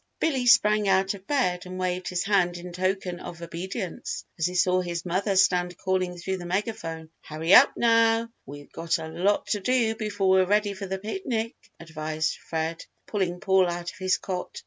Billy sprang out of bed and waved his hand in token of obedience, as he saw his mother stand calling through the megaphone. "Hurry up now, we've got a lot to do before we're ready for the picnic," advised Fred, pulling Paul out of his cot.